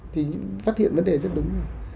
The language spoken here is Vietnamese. thì phát hiện vấn đề rất đúng